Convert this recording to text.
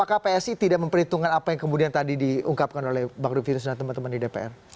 apa perhitungan apa yang kemudian tadi diungkapkan oleh bang rufilis dan teman teman di dpr